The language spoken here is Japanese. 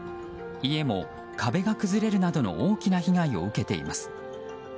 家も、壁が崩れるなどの大きな被害を受けています。